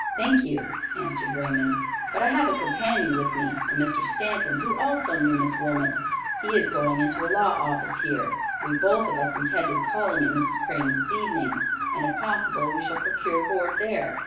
"Thank you," answered Raymond; "but I have a companion with me, a Mr. Stanton, who also knew Miss Wilmot. He is going into a law office here. We both of us intend calling at Mrs. Crane's this evening, and if possible we shall procure board there."